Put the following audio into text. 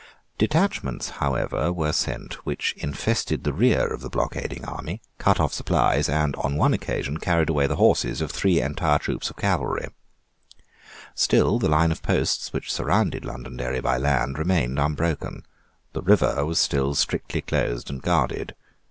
Detachments however were sent which infested the rear of the blockading army, cut off supplies, and, on one occasion, carried away the horses of three entire troops of cavalry, Still the line of posts which surrounded Londonderry by land remained unbroken. The river was still strictly closed and guarded.